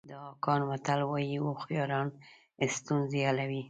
د اکان متل وایي هوښیاران ستونزې حلوي.